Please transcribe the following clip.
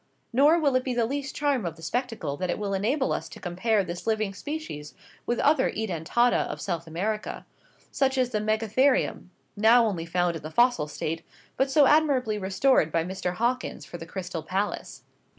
Nor will it be the least charm of the spectacle that it will enable us to compare this living species with other Edentata of South America such as the Megatherium, now only found in the fossil state, but so admirably restored by Mr Hawkins for the Crystal Palace.